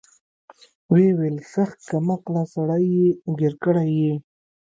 ويې ويل سخت کم عقله سړى يې ګير کړى يې.